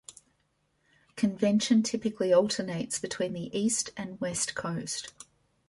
Convention typically alternates between the East and West coast.